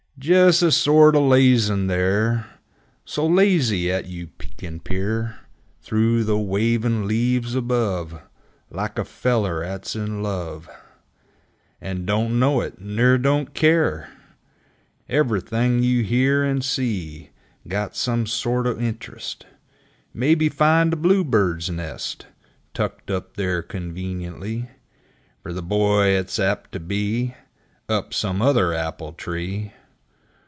3 Jes' a sorto' lazin' there S'lazy, 'at you peeks and peer Through the wavin' leaves above, Like a feller 'ats in love And don't know it, ner don't keer! Ever'thing you hear and see Got some sort o' interest Maybe find a bluebird's nest Tucked up there conveenently Fer the boy 'at's ap' to be Up some other apple tree!